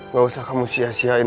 gak usah kamu sia siain